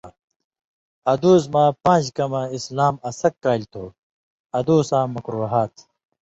ادُوس مہ پان٘ژ کمہۡ اسلام اَڅھَک کالیۡ تھُو(ادُوساں مکروہات)